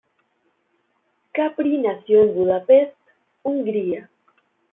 Capri nació en Budapest, Hungría.